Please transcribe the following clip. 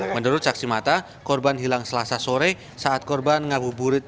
menurut saksi mata korban hilang selasa sore saat korban ngabuburit